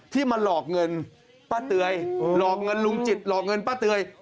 มาหลอกเงินป้าเตยหลอกเงินลุงจิตหลอกเงินป้าเตย